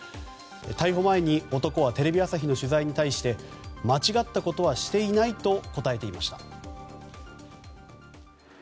逮捕前に男はテレビ朝日の取材に対して間違ったことはしてないと答えていました。